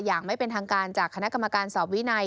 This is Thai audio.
อย่างไม่เป็นทางการจากคณะกรรมการสอบวินัย